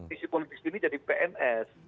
isi politik sini jadi pns